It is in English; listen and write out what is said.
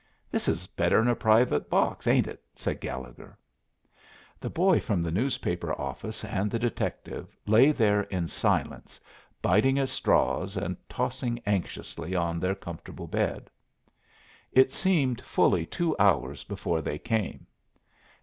"This is better'n a private box, ain't it?" said Gallegher. The boy from the newspaper office and the detective lay there in silence, biting at straws and tossing anxiously on their comfortable bed. It seemed fully two hours before they came.